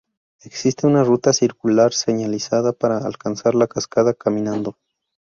Existe una ruta circular señalizada para alcanzar la cascada caminando.